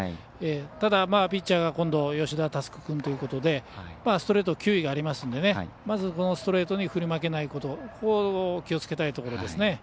ただ、ピッチャーが今度吉田佑久君ということでストレート、球威がありますのでストレートに振り負けないことを気をつけたいところですね。